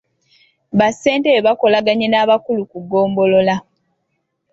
Bassentebe bakolaganye n’abakulu ku ggombolola.